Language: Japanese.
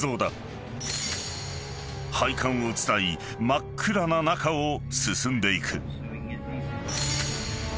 ［配管を伝い真っ暗な中を進んでいく］